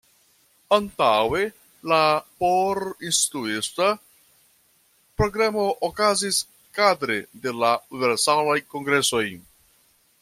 Antaŭe, la por instruista programo okazis kadre de la universalaj kongresoj.